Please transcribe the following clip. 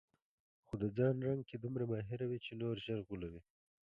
خو د ځان رنګ کې دومره ماهره وي چې نور ژر غولوي.